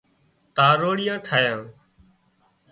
تاروڙيئان ٺاهيان